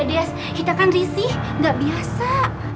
iya des kita kan risih nggak biasa